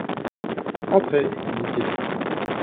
Entrez, dit-il.